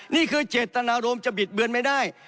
นี่คือเจตนารมณ์จะบิดเบือนไม่ได้